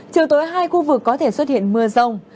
chiều tối hai khu vực có thể xuất hiện mưa rông